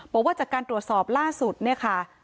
บอกว่าจากการตรวจสอบล่าสุดเนี่ยค่ะ